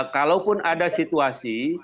kalaupun ada situasi